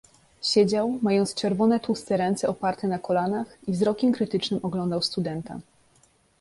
"Siedział, mając czerwone tłuste ręce oparte na kolanach i wzrokiem krytycznym oglądał studenta."